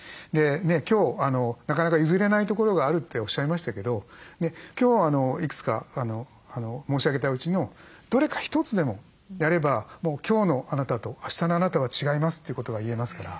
今日なかなか譲れないところがあるっておっしゃいましたけど今日いくつか申し上げたうちのどれか一つでもやれば今日のあなたとあしたのあなたは違いますってことが言えますから。